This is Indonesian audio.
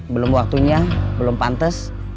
belum waktunya belum pantes